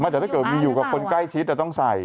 แต่ถ้าเกิดมีอยู่กับคนใกล้ชิดต้องใส่